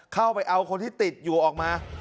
เข้าไปเอาคนที่ติดอยู่ออกมา